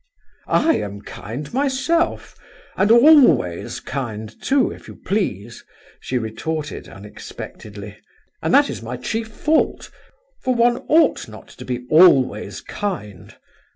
"I am kind myself, and always kind too, if you please!" she retorted, unexpectedly; "and that is my chief fault, for one ought not to be always kind.